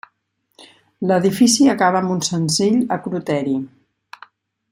L'edifici acaba amb un senzill acroteri.